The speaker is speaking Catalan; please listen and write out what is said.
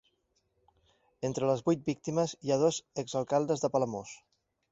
Entre les vuit víctimes hi ha dos exalcaldes de Palamós.